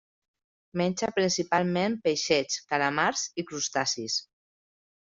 Menja principalment peixets, calamars i crustacis.